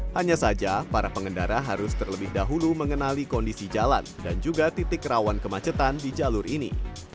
hanya saja para pengendara harus terlebih dahulu mengenali kondisi jalan dan juga titik rawan kemacetan di jalur ini